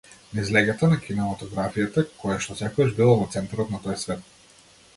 Низ леќата на кинематографијата, којашто секогаш била во центарот на тој свет.